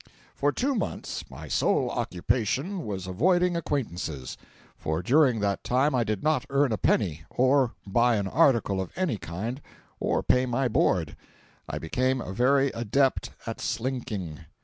For two months my sole occupation was avoiding acquaintances; for during that time I did not earn a penny, or buy an article of any kind, or pay my board. I became a very adept at "slinking."